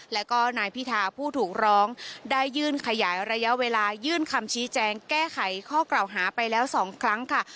แล้วก็นายพิธาผู้ถูกร้องได้ยื่นขยายระยะเวลายื่นคำชี้แจงแก้ไขข้อกล่าวหาไปแล้ว๒ครั้งค่ะ